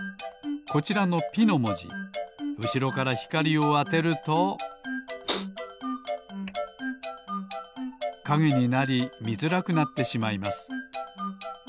こちらの「ピ」のもじうしろからひかりをあてるとかげになりみづらくなってしまいます